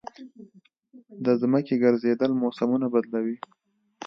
د ځمکې ګرځېدل موسمونه بدلوي.